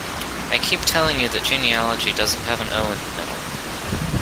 I keep telling you that genealogy doesn't have an ‘o’ in the middle.